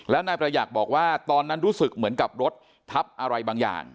แล้วนายประหยัดบอกว่าตอนนั้นรู้สึกเหมือนกับรถทับอะไรบางอย่าง